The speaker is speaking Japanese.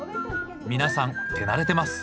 皆さん手慣れてます。